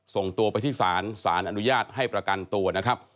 ส่งตัวไปที่ศาลศาลอนุญาตให้ประกันตัวนะครับ